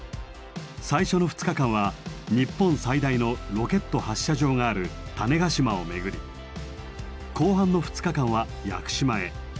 最初の２日間は日本最大のロケット発射場がある種子島を巡り後半の２日間は屋久島へ。